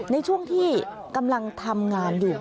ในช่วงที่กำลังทำงานอยู่